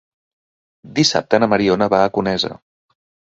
Dissabte na Mariona va a Conesa.